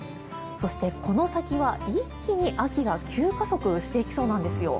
そして、この先は一気に秋が急加速していきそうなんですよ。